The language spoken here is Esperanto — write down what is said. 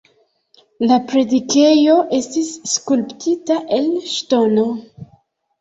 La predikejo estis skulptita el ŝtono.